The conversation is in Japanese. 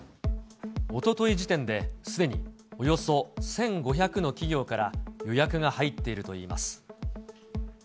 おととい時点で、すでにおよそ１５００の企業から予約が入っているといいます。